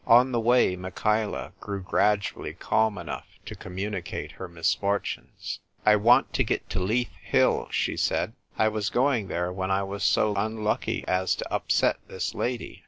On the way, Michaela grew gradually calm enough to communicate her misfortunes. " I want to get to Leith Hill," she said. "I was going there when I was so unlucky as to upset this lady."